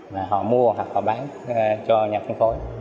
mà họ mua hoặc bán cho nhà phân phối